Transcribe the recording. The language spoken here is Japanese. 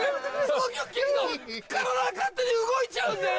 体が勝手に動いちゃうんだよ。